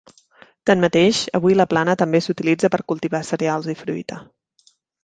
Tanmateix, avui la plana també s'utilitza per cultivar cereals i fruita.